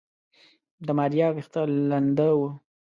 د ماريا ويښته لنده وه.